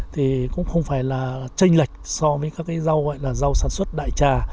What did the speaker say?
thì cũng không phải là tranh lệch so với các cái rau gọi là rau sản xuất đại trà